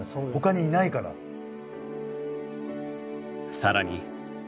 更に。